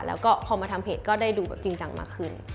แล้วก็พอมาทำเพจก็ได้ดูแบบจริงจังมากขึ้น